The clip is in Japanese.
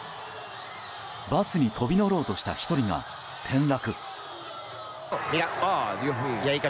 バスに飛び乗ろうとした１人が転落。